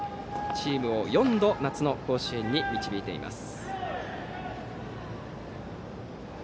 チームを４度夏の甲子園に導いています。